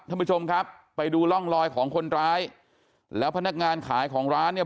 ท่านผู้ชมครับไปดูร่องลอยของคนร้ายแล้วพนักงานขายของร้านเนี่ย